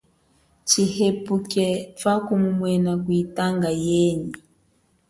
Tshihepuke twakumumwena kuyitanga yenyi.